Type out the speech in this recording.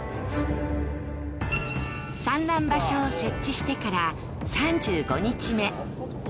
産卵場所を設置してから３５日目。